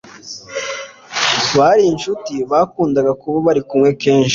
bari inshuti bakunda kuba barikumwe kenshi